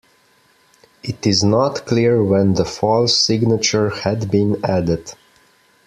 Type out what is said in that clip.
It is not clear when the false signature had been added.